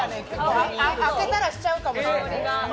開けたらしちゃうかもしれない。